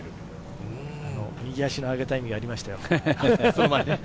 右足を上げた意味がありましたよ。